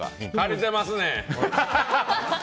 借りてますねん！